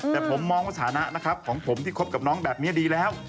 แต่ผมมองว่าสถานะนะครับของผมที่คบกับน้องแบบนี้ดีแล้ว